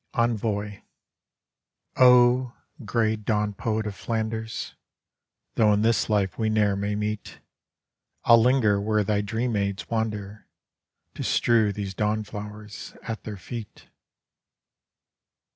Wnvoy . Oh, gray dawn poet of Flanders, Though in this life we ne'er may meet, I'll linger where thy dream maids wander To strew these dawn flowers at their feet.